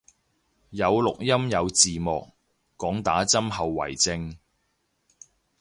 有錄音有字幕，講打針後遺症